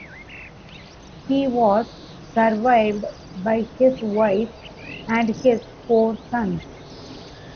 He was survived by his wife and his four sons.